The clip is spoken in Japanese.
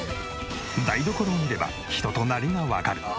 台所を見れば人となりがわかる。